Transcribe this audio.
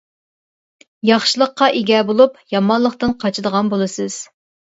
ياخشىلىققا ئىگە بولۇپ، يامانلىقتىن قاچىدىغان بولىسىز.